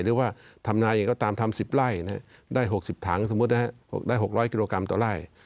หรือว่าทำนายอย่างไรก็ตามทำ๑๐ไร่ได้๖๐ถังสมมุติได้๖๐๐กิโลกรัมต่อไล่